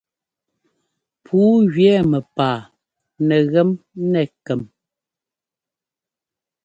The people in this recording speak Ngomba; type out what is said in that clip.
Pǔu jʉɛ́ mɛpaa nɛgem nɛ kɛm.